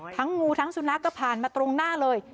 งูทั้งสุนัขก็ผ่านมาตรงหน้าเลย